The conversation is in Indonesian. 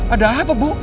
ada apa bu